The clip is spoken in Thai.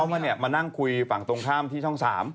ก็เลยให้เขามานั่งคุยฝั่งตรงข้ามที่ช่อง๓